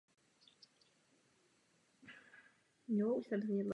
Jeho povodí je částí povodí řeky Sály.